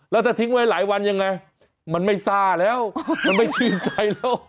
แล้วถ้าทิ้งไว้หลายวันยังไงมันไม่ซ่าแล้วมันไม่ชื่นใจแล้ว